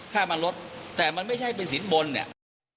ค่ามันลดแต่มันไม่ใช่เป็นสินบนเนี่ย